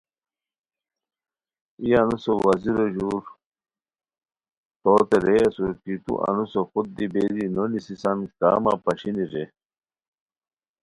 ای انوسو وزیرو ژور توتے رے اسور کی تو انوسو خود دی بیری نو نیسیسان کا مہ پاشینی رے